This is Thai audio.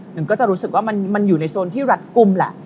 หนึ่งก็จะรู้สึกว่ามันอยู่ในโซนที่รัดกลุ่มแหละ